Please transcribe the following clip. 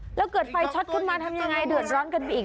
แล้วเกิดไฟช็อตขึ้นมาทำยังไงเดือดร้อนกันไปอีก